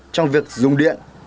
trong việc dùng điện